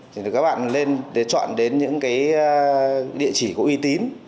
thì các bạn nên chọn đến những cái địa chỉ có uy tín